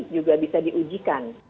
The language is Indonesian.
juga bisa diujikan